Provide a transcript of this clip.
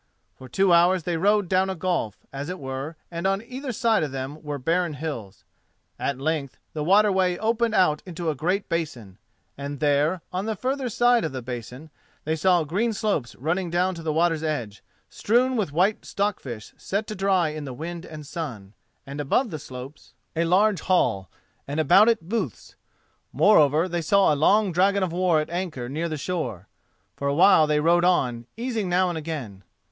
For two hours they rowed down a gulf, as it were, and on either side of them were barren hills. At length the water way opened out into a great basin, and there, on the further side of the basin, they saw green slopes running down to the water's edge, strewn with white stock fish set to dry in the wind and sun, and above the slopes a large hall, and about it booths. Moreover, they saw a long dragon of war at anchor near the shore. For a while they rowed on, easing now and again.